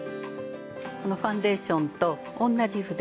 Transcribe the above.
このファンデーションと同じ筆